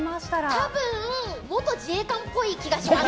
多分元自衛官っぽい気がします！